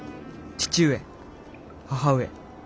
「父上母上。